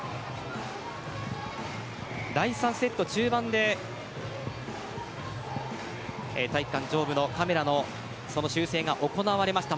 第３セット中盤で体育館上部のカメラの修正が行われました。